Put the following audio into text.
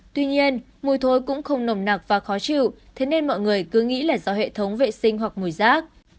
tuy nhiên mùi thối cũng không nồng nặc và khó chịu thế nên mọi người cứ nghĩ là do hệ thống vệ sinh hoặc mùi rác